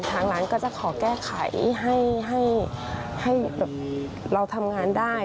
ทางร้านก็จะขอแก้ไขให้เราทำงานได้